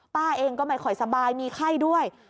ป้าเองก็ไม่ค่อยสบายมีไข้ด้วย